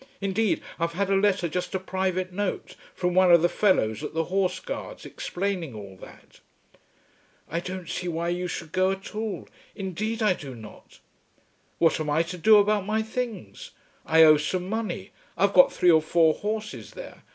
Indeed I've had a letter, just a private note, from one of the fellows at the Horse Guards explaining all that." "I don't see why you should go at all; indeed I do not." "What am I to do about my things? I owe some money. I've got three or four horses there.